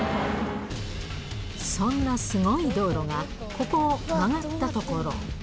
そんなすごい道路が、ここを曲がった所。